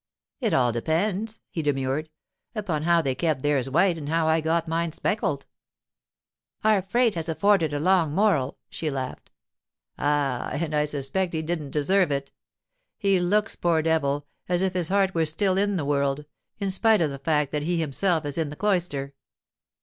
'It all depends,' he demurred, 'upon how they kept theirs white and how I got mine speckled.' 'Our frate has afforded a long moral,' she laughed. 'Ah—and I suspect he didn't deserve it. He looks, poor devil, as if his heart were still in the world, in spite of the fact that he himself is in the cloister.